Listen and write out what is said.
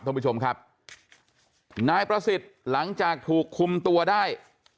ท่านผู้ชมครับนายประสิทธิ์หลังจากถูกคุมตัวได้